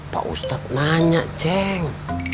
pak ustad nanya cek